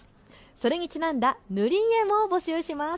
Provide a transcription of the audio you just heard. それにちなんだ塗り絵も募集します。